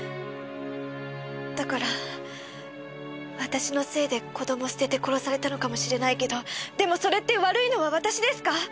だから私のせいで子供捨てて殺されたのかもしれないけどでもそれって悪いのは私ですか！？